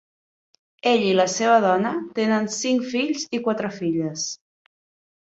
Ell i la seva dona tenen cinc fills i quatre filles.